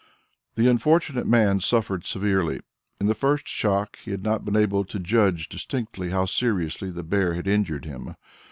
The unfortunate man suffered severely. In the first shock he had not been able to judge distinctly how seriously the bear had injured him.